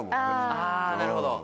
あなるほど。